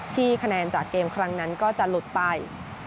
คะแนนจากเกมครั้งนั้นก็จะหลุดไป